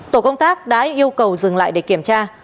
tổ công tác đã yêu cầu dừng lại để kiểm tra